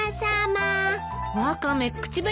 ワカメ口紅